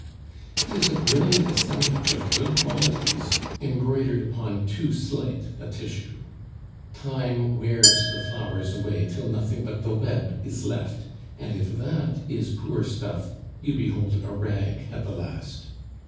'Tis a brilliant assemblage of good qualities embroidered upon too slight a tissue; time wears the flowers away till nothing but the web is left; and if that is poor stuff, you behold a rag at the last.